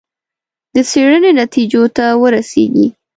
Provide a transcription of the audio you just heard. د څېړنې نتیجو ته ورسېږي.